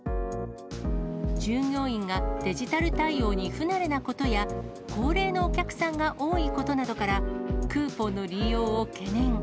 従業員がデジタル対応に不慣れなことや、高齢のお客さんが多いことなどから、クーポンの利用を懸念。